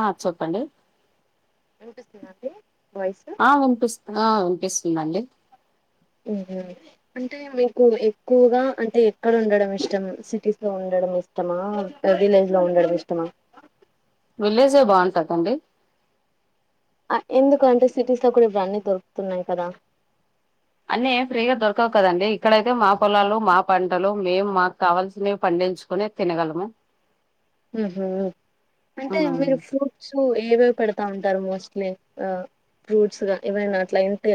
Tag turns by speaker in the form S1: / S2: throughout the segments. S1: ఆ చెప్పండి
S2: వినిపిస్తుందా అండి వాయిసు
S1: ఆ వినిపిస్తుంది ఆ వినిపిస్తుందండి
S2: ఏం గాదు అంటే మీకు ఎక్కువగా అంటే ఎక్కడ ఉండడం ఇష్టం సిటీస్ లో ఉండడం ఇష్టమా ఇగ విలేజ్ లో ఉండడం ఇష్టమా
S1: విలేజే బాగుంటదండి
S2: అ ఎందుకంటే సిటీస్ లో కూడా ఇప్పుడు అన్ని దొరుకుతున్నాయి కదా
S1: అన్నీ ఏం ఫ్రీగా దొరకవు కదండి ఇక్కడయితే మా పొలాలు మా పంటలు మేము మాకు కావాల్సినవి పండించుకొని తినగలము
S2: ఉహు అంటే మీరు ఫ్రూట్స్ ఏవేవి పెడతా ఉంటారు మోస్ట్లీ ఆ ఫ్రూట్స్ గా ఏవైనా అట్లా ఇంటే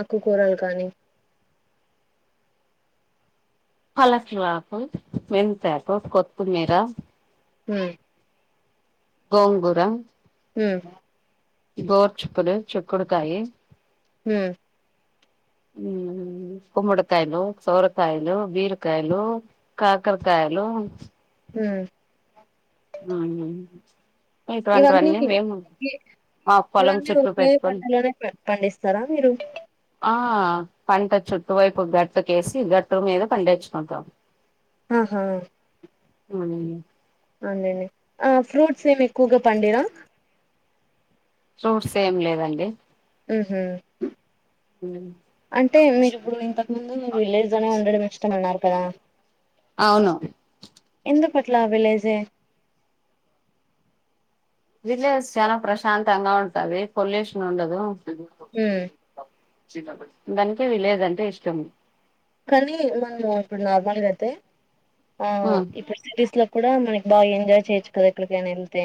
S2: ఆకుకూరలు కానీ
S1: పలక్ లాకు మెంతాకు కొత్తిమీర
S2: ఉమ్
S1: గోంగూర
S2: ఉమ్
S1: గోర్ చిక్కుడు చిక్కుడుకాయి
S2: ఉమ్
S1: ఉమ్ గుమ్మడికాయలు సొరకాయలు బీరకాయలు కాకరకాయలు
S2: ఉమ్
S1: మార్నింగ్
S2: ఇవన్నీ ఒకే
S1: మా పొలం
S2: ఇవన్నీ
S1: చుట్టూ
S2: ఒకే
S1: పెట్టుకొని
S2: పంటలోనే పండిస్తారా మీరు
S1: ఆ పంట చుట్టు వైపు గట్టు కేేసి గట్టు మీద పండించుకుంటాం
S2: ఆహా
S1: మార్నింగే
S2: అవును లేండి ఆ ఫ్రూట్స్ ఏమి ఎక్కువగా పండిరా
S1: ఫ్రూట్స్ ఏం లేదండి
S2: ఉమ్ హు అంటే మీరిప్పుడు ఇంత ముందు మీరు విలేజ్ లోనే ఉండడం ఇష్టమన్నారు కదా
S1: అవును
S2: ఎందు కట్ల విలేజే
S1: విలేజ్ చాలా ప్రశాంతంగా ఉంటది పొల్యూషన్ ఉండదు
S2: ఉమ్
S1: దానికి విలేజ్ అంటే ఇష్టం
S2: కానీ మనము ఇప్పుడు నార్మల్గా అయితే ఆ ఇప్పుడు సిటీస్ లో కూడా మన బా ఎంజాయ్ చేయొచ్చు కదా ఎక్కడికైనా యెళ్తే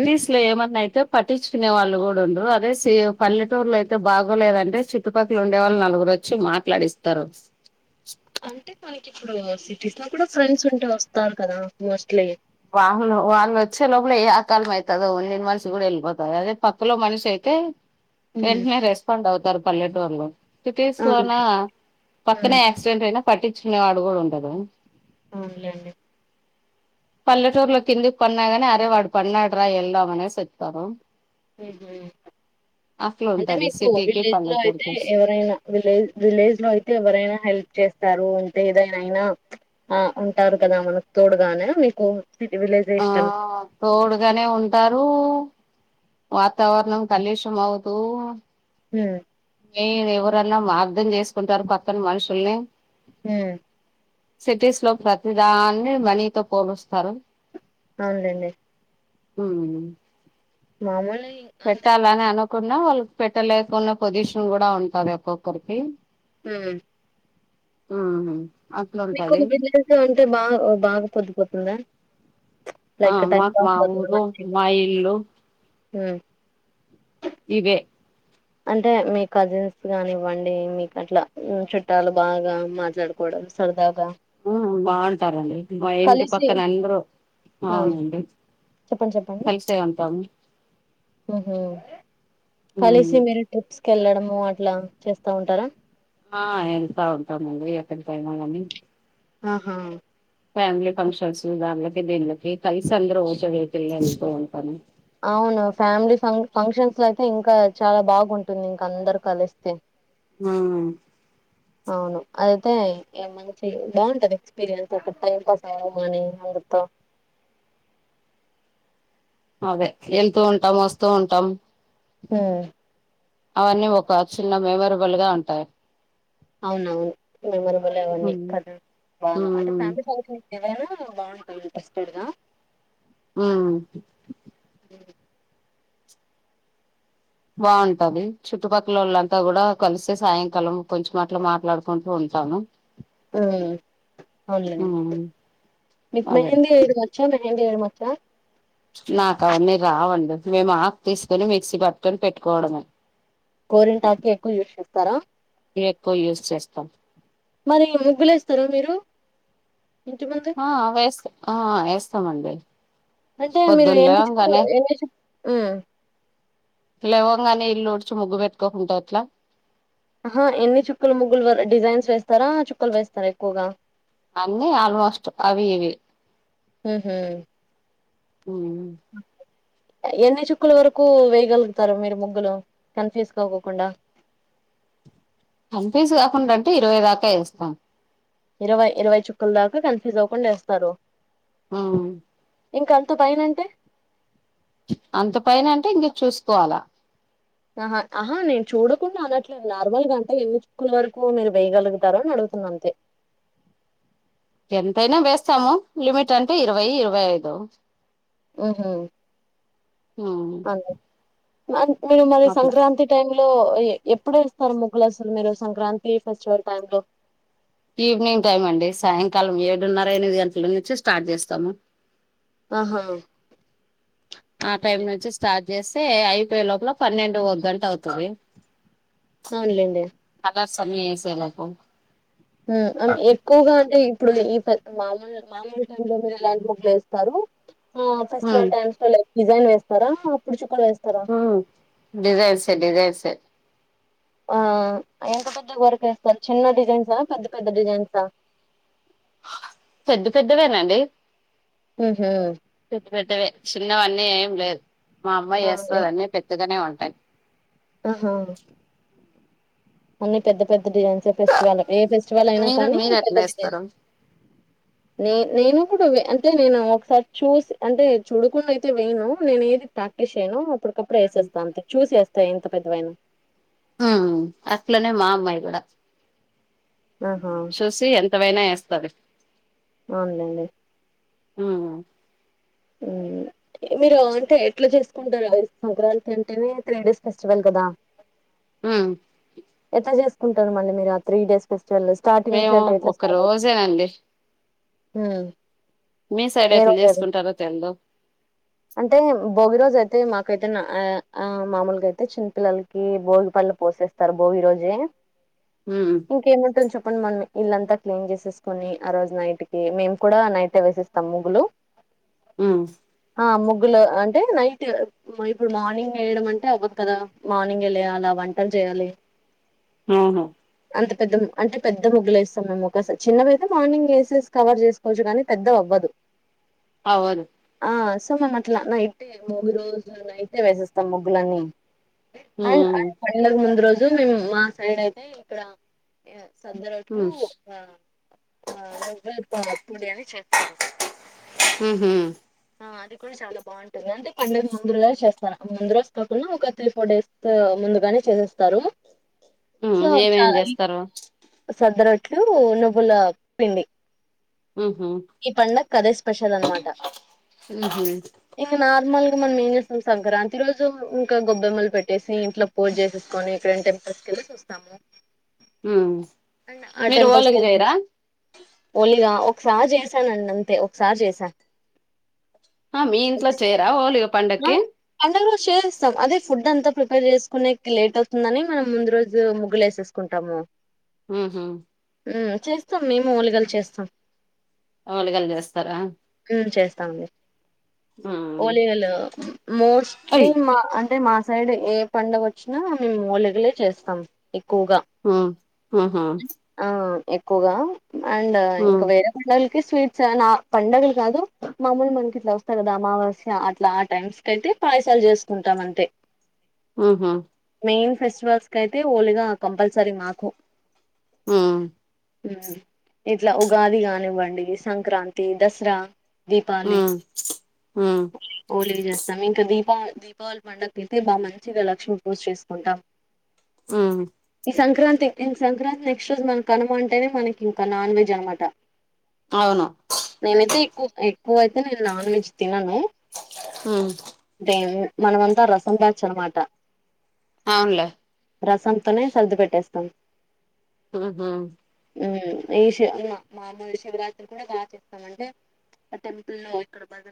S2: ఉమ్
S1: లో ఏమన్నా అయితే పట్టించుకునే వాళ్ళు కూడా ఉండరు అదే సే పల్లెటూర్లో అయితే బాగోలేదంటే చుట్టుపక్కల ఉండేవాళ్ళు నలుగురు వచ్చి మాట్లాడిస్తారు
S2: అంటే తనకి ఇప్పుడు సిటీస్ లో కూడా ఫ్రెండ్స్ ఉంటే వస్తారు కదా మోస్ట్లీ
S1: వాళ్ వాళ్ళు వచ్చే లోపల ఏ ఆకాలం అయితదో నిను మనిషి కూడా వెళ్ళిపోతది అదే పక్కలో మనిషి అయితే
S2: అ
S1: వెంటనే రెస్పాండ్ అవుతారు పల్లెటూర్లో సిటీస్ లోన
S2: అవునులే ఉమ్
S1: పక్కనే క్సిడెంట్ అయినా పట్టించినాడు కూడా ఉండదు
S2: అవునులే అండి
S1: పల్లెటూరులో కిందికి పన్నాగాని అరే వాడు పన్నాడు రా వెళదాం అనేసి వత్తారు
S2: ఉహు
S1: అట్లా
S2: అంటే
S1: ఉంటది
S2: మీకు
S1: సిటీకి
S2: విలేజ్ లో అయితే
S1: పల్లెటూరుకి
S2: ఎవరైనా విలేజ్ విలేజ్ లో అయితే ఎవరైనా హెల్ప్ చేస్తారు అంటే ఏదైనా అయినా ఆ ఉంటారు కదా మనకు తోడుగానే మీకు సిటీ విలేజ్ ఇష్టం
S1: ఆ తోడుగానే ఉంటారు వాతావరణం కలిషం అవుతూ
S2: ఉ
S1: ఏ ఎవరన్నా అర్ధం చేసుకుంటారు పక్కన మనుషుల్ని
S2: హ్మ్
S1: సిటీస్ లో ప్రతిదాన్ని మనీతో పోలుస్తారు
S2: అవునులేండి
S1: ఉ
S2: మాములే
S1: పెట్టాలని అనుకున్నా వాళ్ళకి పెట్టలేకున్న పొజిషన్ కూడ ఉంటది ఒక్కొక్కరికి
S2: ఉ
S1: ఉహు
S2: మీకు విదసం అంటే బా బాగ పొద్దుపోతుందా
S1: ఆ
S2: లైక్ టైం
S1: మాకు
S2: పాస్
S1: మా
S2: అవుతుంది
S1: ఊరు
S2: మంచిగ
S1: మా ఇల్లు
S2: ఉ
S1: ఇవే
S2: అంటే మీ కజిన్స్ గానివ్వండి మీకు అట్లా చుట్టాలు బాగా మాట్లాడు డదు సరదాగా
S1: ఆ బాగుంటారండి మా ఇంటి
S2: కలిసి
S1: పక్కనే అందరూ అవునండి
S2: చెప్పం చెప్ప
S1: కలిసే ఉంటాము
S2: హుహు
S1: మ్మ్
S2: కలిసి మీరు ట్రిప్స్కి వెళ్ళడము అట్లా చేస్తా ఉంటారా
S1: ఆ ఏల్తా ఉంటామండి ఎక్కడికైనా కాని
S2: అ హా
S1: ఫ్యామిలీ ఫంక్షన్స్ దాన్లకి దీన్లకి కలిసి అందరు ఓకే వతులే అనుకోంటాను
S2: అవును ఫ్యామిలీ ఫ ఫంక్షన్స్ లో అయితే ఇంకా చాలా బాగుంటుంది ఇంక అందరు కలిస్తే ఆ
S1: ఆ
S2: స అవును అదయితే మంచి బాగుంటది ఎక్స్పీరియన్స్ ఒక టైం పాస్ అవఅని అందుతో
S1: అదే ఎంతూ ఉంటాం వస్తూ ఉంటాం
S2: హు
S1: అవన్నీ ఒక చిన్న మెమోరబుల్ గా ఉంటాయ్
S2: అవునవును మెమరబులే అవన్నీ
S1: ఉమ్
S2: కదా బా అంటే ఫ్యామిలీ పంక్షన్ ఏవైనా బాగుంటాయి ఇంట్రస్టెడ్గా
S1: ఆ
S2: ఉ
S1: బాగుంటది చుట్టుపక్కలోళ్లంతా గూడా కలిసే సాయంకాలం కొంచెం అట్లా మాట్లాడుకుంటు ఉంటాను
S2: ఆ అవునులేండి
S1: ఉమ్
S2: మీకు
S1: అదే
S2: మెహెంది ఎ చ మెహింది ఎయ్యడం వచ్చా
S1: నాకు అవన్నీ రావండి మేము ఆకు తీసుకుని మిక్సీ పట్కొని పెట్టుకోవడం
S2: గోరింటాకు ఎక్కువ యూస్ చేస్తారా
S1: ఎక్కువ యూజ్ చేస్తాం
S2: మరి ముగ్గులు ఎస్తారు మీరు ఇంటి ముందు
S1: ఆ అ వేస్త ఎస్తామండి
S2: అంటే మీరు ఎన్ని చుకు ఎన్ని చు
S1: లేవంగానే ఇల్లు ఉడ్చి ముగ్గు పెట్టుకోకుంటే ఎట్లా
S2: ఆహ ఎన్ని చుక్కలు ముగ్గులు డిజైన్స్ వేస్తారా చుక్కలు వేస్తారా ఎక్కువగా
S1: అన్నీ ఆల్మోస్ట్ అవి ఇవి
S2: ఉహు
S1: ఉ
S2: ఎన్ని చుక్క్ల వరకు వేయగలుగుతారు మీరు ముగ్గులు కన్ఫ్యూజ్ కాకోకుండా
S1: కన్ ఫ స్ కాకుండా అంటే ఇరవై దాకా ఇేస్తాం
S2: ఇరవై ఇరవై చుక్కల్దాకా కన్ఫిజ్ అవకుండా ఎస్తారు
S1: ఆ
S2: ఇంకా అంత భయం ఎంటి
S1: అంత పైన అంటే ఇంగా చూసుకోలా
S2: ఆహా ఆహా నేను చూడకుండా అనట్లేదు నార్మల్ గా అంటే ఎన్ని చుక్కల వరకు మీరు వేయగలుగుతారు అని అడుగుతున్న అంతే
S1: ఎంతైనా వేస్తాము లిమిట్ అంటే ఇరవై ఇరవై ఐదు
S2: ఉహు
S1: ఉమ్
S2: అంతే మరి మీరు
S1: అట్లా
S2: సంక్రాంతి టై లో ఎప్పుడు ఎస్తారు ముగ్గులు అసలు మీరు సంక్రాంతి ఫెస్టివల్ టైమ్ లో
S1: ఈవినింగ్ టైం అండి సాయంకాలం ఏడున్నర ఎనిమిది గంటల నుంచి స్టార్ట్ చేస్తాము
S2: ఆహా
S1: ఆ టైమ్
S2: అవునులేండి
S1: నుంచి స్టార్ట్ చేస్తే అయిపోయే లోపల పన్నెండు ఒక గంట అవుతది
S2: అవునులేండి
S1: కలర్స్ అన్నీ ఎసే లోపు
S2: మ్ ఎక్కువ గా అంటే ఇప్పుడు ఈ మామూలు టైమ్లో మీరు ఎలాంటి ముగ్గులు ఎస్తారు ఆ ఫెస్టివల్
S1: ఉమ్
S2: టైమ్స్ లో లైక్ డిజైన్ వేస్తారా అప్పుడు చుక్కలు వేస్తారా
S1: ఉ డిజైసె డిజైసె
S2: ఆ ఎంత పెద్ద వర్క్ ఎస్తారు చిన్న డిజైన్సా పెద్ద పెద్ద డిజైన్సా
S1: పెద్ద పెద్దవేనాండి
S2: ఉహు
S1: పెద్దవే చిన్నవన్నీ ఏం లేదు మా అమ్మాయి
S2: ఆ ఎ
S1: ఎస్తది అన్నీ పెద్దగనే ఉంటాయి
S2: ఆహా అన్ని పెద్ద పెద్ద డిజైన్స్ ఫెస్టివల్ ఏ ఫెస్టివల్ అయినా
S1: మీరు
S2: కానీ
S1: మీరు
S2: పెద్ద
S1: ఎట్లా
S2: డిజైన్
S1: ఏస్తారు
S2: నే నేను కూడా అంటే నేను ఒకసారి చూసి అంటే చూడకుండా అయితే వెయ్యను నేను ఏది ప్రాక్టీస్ చేయను అప్పుటికప్పుడు ఎసేస్తా అంతే చూసి ఎస్తాను ఎంత పెద్దవైనా
S1: ఆ అట్లనే మా అమ్మయి గూడా
S2: అహా
S1: చూసి ఎంతవైనా ఎస్తాది
S2: అవునలేండి
S1: ఉహు
S2: ఉం మీరు అంటే ఎట్లా చేసుకుంటారు సంక్రాంతి అంటేనే త్రీ డేస్ ఫెస్టివల్ కదా
S1: ఉం
S2: ఎట్లా చేసుకుంటారు మళ్ళి మీరు ఆ త్రీ డేస్ ఫెస్టివల్స్ స్టార్టింగ్ నుంచి
S1: మేము
S2: అంటే ఎట్లా
S1: ఒక
S2: స్టార్ట్ అయి
S1: రోజేనండి
S2: ఉం
S1: మీ సైడ్ ఎట్లు చేసుకుంటారో తెల్దు
S2: అంటే భోగి రోజు అయితే మాకైతే ఆ మామూలుగా అయితే చిన్నపిల్లలకి భోగి పళ్ళు పోసేస్త తరు బోగి రోజే
S1: ఉం
S2: ఇంకేముంటుమ్ది చెప్పండి మనం ఇల్లంతా క్లీన్ చేసేసుకుని ఆ రోజు నైట్ కి మేము కూడా నైట్ వేసేస్తాం ముగ్గులు
S1: ఉం
S2: ఆ ముగ్గులు అంటే నైట్ ఇప్పుడు మార్నింగ్ వేయడం అంటే అవ్వదు కదా మార్నింగ్ లేయాల వంటలు చేయాలి
S1: ఊహు
S2: అంత పెద్ద అంటే పెద్ద ముగ్గులు వేస్తాం మేము ఒకసారి చిన్నవి అయితే మార్నింగ్ వేసేసి కవర్ చేసుకోవచ్చు కానీ పెద్ద అవ్వదు
S1: అవ్వదు
S2: ఆ సో మనం అట్లా నైట్ బోగీ రోజు నైటే వేసేస్తాం ముగ్గులన్నీ అండ్
S1: ఉమ్
S2: ఫైనల్ ముందు రోజు మేము మా సైడ్ అయితే ఇక్కడ సద్ద రోట్లు
S1: ఉమ్
S2: ఆ ఆ వంగ పొడి అని చేస్తారు [unintelligible]
S1: హు హామ్
S2: ఆ అది కూడా చాలా బాగుం [unintelligible] ఉంటుంది అంటే పండెది ముందు రగానే చేస్తాను ముందు రోజు కాకుండా ఒక త్రీ ఫోర్ డేస్ ముందుగానే చేసేస్తారు
S1: ఉం ఏమేమి చేస్తారు
S2: సద్దరట్లు నువ్వుల పిండి
S1: ఉహు
S2: ఈ పండగకి అదే స్పెషల్ అనమాట
S1: ఉహు
S2: ఇంకా నార్మల్గా మనం ఏం చేస్తాం సంక్రాంతి రోజు ఇంకా గొబ్బెమ్మలు పెట్టేసి ఇంట్లో పూజ చేసేసుకని ఇక్కడే టెంపుల్స్కెళ్లిసి వస్తాము
S1: ఉం
S2: ఆ టెంపల్స్ కు [unintelligible] ఓన్లీ ఇగ ఒకసారి చేసానండి అంతే ఒకసారి చేసా
S1: మీ
S2: ఆ
S1: ఇంట్లో
S2: [unintelligible]
S1: చేయరా ఓలిగ పండక్కి
S2: అండ చేస్తాం అదే ఫుడ్ అంతా ప్రిపేర్ చేసుకునేకి లేట్ అవుతుందని మనం ముందు రోజు ముగ్గులేస్తాం తీసుకుంటాము
S1: హు హామ్
S2: ఉం చేస్తాం మేము వాళ్ళు కలిసి చేస్తాం
S1: అళగాలి వస్తా [unintelligible]
S2: ఉం చేస్తాం
S1: ఉమ్
S2: ఒలిగాలు మోస్ట్లీ
S1: అయ్
S2: మా అంటే మా సైడ్ ఏ పండగ వచ్చినా మేము ఓలిగలే చేస్తాం ఎక్కువగా
S1: ఉం హు హామ్
S2: ఆ ఎక్కువగా అండ్ ఇంకా
S1: ఉమ్
S2: వేరే పండగలకి స్వీట్స్ నా పండగలు కాదు మామూలు మనకి ఇట్లా వస్తాయి కదా అమావాస్య అట్లా ఆ టైమ్స్ కైతే పాయసాలు చేసుకుంటాం అంతే
S1: అహా
S2: మెయిన్ ఫెస్టివల్స్ కేయితే హోలీగా కంపల్సరీ మాకు
S1: ఉ
S2: ఇట్ల ఉగాది గానివ్వండి సంక్రాంతి దసరా
S1: ఉ
S2: దీపాళి
S1: ఉ
S2: ఓలీ చేస్తాం ఇంకా దీపాళి దీపావళి పండగైయితే బాగా మంచిగా లక్ష్మి పూజ చేసుకుంటాం
S1: ఉహు
S2: ఈ సంక్రాంతి ఇన్ సంక్రాంతి నెక్స్ట్ రోజు మన కనుమ అంటేనే మనకి ఇంకా నాన్ వెజ్ అనమాట
S1: అవును
S2: నేనైతే ఎక్కువ ఎక్కువ అయితే నేను నాన్ వెజ్ తిన్నను
S1: ఉ
S2: అేం మనమంతా రసం బ్యాచ్ అనమాట
S1: అవునులే
S2: రసంతోనే సర్ది పెట్టేస్తాం
S1: ఉహు హు
S2: ఉ ఈ శి [unintelligible] మామూలు శివరాత్రిని కూడా బాగా చేస్తామాంటే ఆ టెంపుల్ ఇక్కడ బ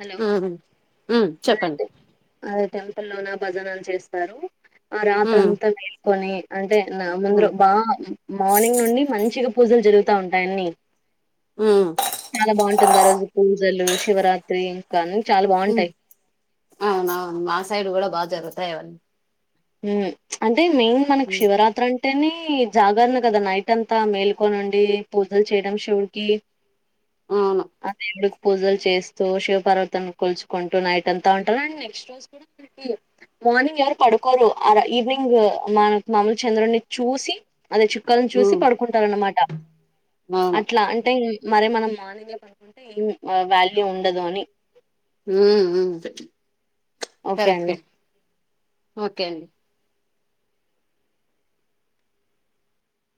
S2: హలో
S1: ఉ ఉ
S2: హలో
S1: చెప్పండి
S2: అండి టెంపులోన భజనలు చేస్తారు ఆ
S1: ఉ
S2: రాత్ర అంతా మేలుకొని అంటే నా
S1: ఉ
S2: ముందురో వా మార్నింగ్ నుండి మంచిగా పూజలు జరుగుతా ఉంటాయిీ అని
S1: ఉ
S2: చాలా బాగుంటుంది ఆ రోజు పూజలు శివరాత్రి ఇంకా అన్ని చాలా బాగుంటాయి
S1: అవునువును మా సైడ్ కూడా బా జరుగుతాయవని
S2: ఉ అంటే మెయిన్ మనకి శివరాత్రి అంట్ టేని జాగరణ కదా నైట్ అంతా మేల్కొనిండి పూజలు చేయడం శివుడికి
S1: అవును
S2: అదేళ్ళు పూజలు చేస్తూ శివ పర్వతా కొలుచుకుంటూ నైట్ అంతా ఉంటారు అం నెక్స్ట్ రోజు [inaudible] మార్నింగ్ ఎవరు పడు కోరు అర ఈవినింగ్ మన మామూలు చంద్రుడిని చూసి అద కని
S1: ఉ
S2: చూసి పడుకుంటారు అనమాట
S1: అవును
S2: అట్లా అంటే మరి మనం మార్నింగే పడుకుంటే ఏం వాల్యూ ఉండదు అని
S1: ఉ ఉ కరెక్ట్ అండి ఓకే అండి